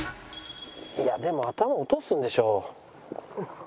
いやでも頭落とすんでしょ。